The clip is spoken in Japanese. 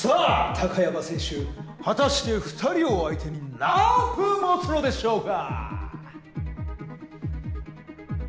貴山選手果たして２人を相手に何分もつのでしょうか！